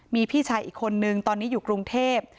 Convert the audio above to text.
มีพี่ชายอีกคนนึงตอนนี้อยู่กรุงเทพ